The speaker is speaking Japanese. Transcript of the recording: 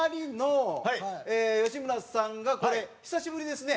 吉村さんがこれ久しぶりですね。